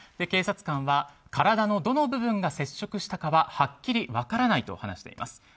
警察官は体のどの部分が接触したかははっきり分からないと話しています。